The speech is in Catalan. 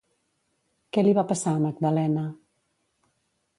Què li va passar a Magdalena?